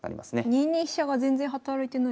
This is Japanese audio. ２二飛車が全然働いてないですね。